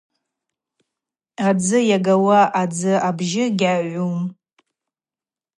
Адзы йагауа адзы абжьы гьйагӏум.